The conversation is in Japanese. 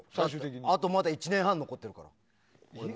あと１年半残ってるんだから。